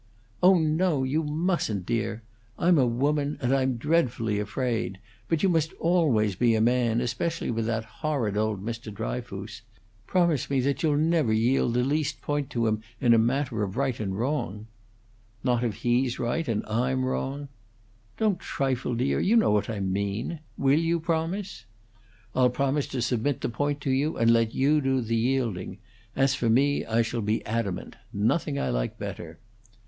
"Oh no; you mustn't, dear! I'm a woman, and I'm dreadfully afraid. But you must always be a man, especially with that horrid old Mr. Dryfoos. Promise me that you'll never yield the least point to him in a matter of right and wrong!" "Not if he's right and I'm wrong?" "Don't trifle, dear! You know what I mean. Will you promise?" "I'll promise to submit the point to you, and let you do the yielding. As for me, I shall be adamant. Nothing I like better."